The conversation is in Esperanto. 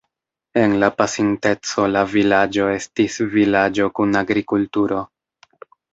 En la pasinteco la vilaĝo estis vilaĝo kun agrikulturo.